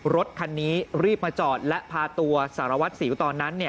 รถคันนี้รีบมาจอดและพาตัวสารวัตรสิวตอนนั้น